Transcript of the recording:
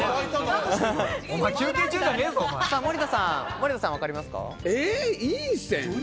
森田さん、分かりますか？